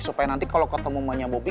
supaya nanti kalo ketemu emangnya bobby